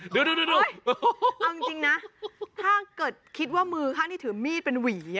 เดี๋ยวดูเอาจริงนะถ้าเกิดคิดว่ามือข้างนี้ถือมีดเป็นหวี